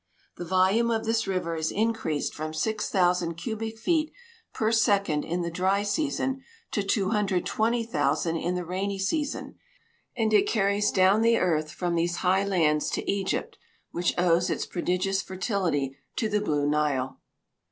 The volume of this river is increased from 6,000 cubic feet per second in the dry season to 220,000 in the rain}' season, and it carries down the earth from these high lands to Egypt, which owes its prodigious fertility to the Blue Nile.